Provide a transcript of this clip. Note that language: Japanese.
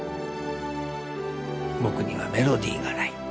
「僕にはメロディーがない。